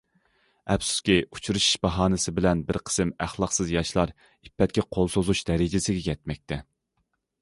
ئەپسۇسكى، ئۇچرىشىش باھانىسى بىلەن بىر قىسىم ئەخلاقسىز ياشلار ئىپپەتكە قول سوزۇش دەرىجىسىگە يەتمەكتە.